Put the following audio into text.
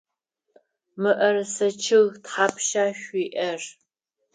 Мыӏэрысэ чъыг тхьапша шъуиӏэр?